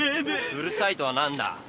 うるさいとは何だ。